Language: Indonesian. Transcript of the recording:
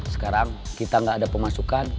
sekarang kita nggak ada pemasukan